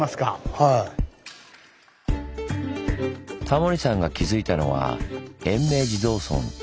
タモリさんが気付いたのは延命地蔵尊。